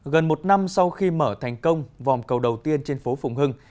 gần một năm sau khi mở thành công vòng cầu đầu tiên trên phố phụng hưng